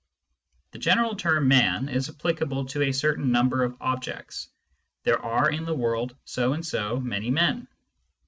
The general term " man " is applicable to a certain number of objects : there are in the world so and so many men.